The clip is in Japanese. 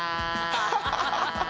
ハハハハ！